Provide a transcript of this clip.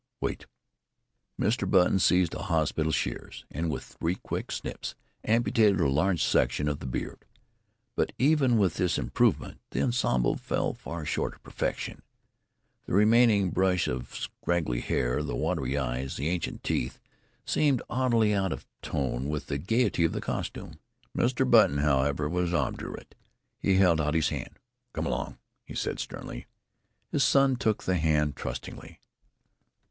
"Wait!" Mr. Button seized a hospital shears and with three quick snaps amputated a large section of the beard. But even with this improvement the ensemble fell far short of perfection. The remaining brush of scraggly hair, the watery eyes, the ancient teeth, seemed oddly out of tone with the gaiety of the costume. Mr. Button, however, was obdurate he held out his hand. "Come along!" he said sternly. His son took the hand trustingly.